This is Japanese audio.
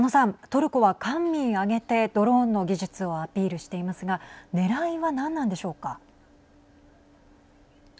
トルコは官民挙げてドローンの技術をアピールしていますがねらいは何なんでしょうか。